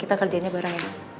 kita kerjainnya bareng